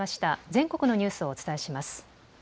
全国のニュースをお伝えします。